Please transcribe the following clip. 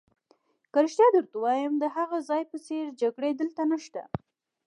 که رښتیا درته ووایم، د هغه ځای په څېر جګړې دلته نشته.